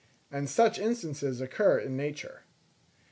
And such instances occur in nature.